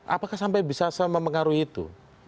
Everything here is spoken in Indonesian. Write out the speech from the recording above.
apakah sampai bisa sama mengaruhi itu